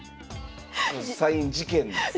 サイン事件ですね。